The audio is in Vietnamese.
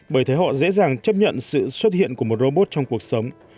bởi thế họ dễ dàng chấp nhận sự xuất hiện của một robot trong cuộc sống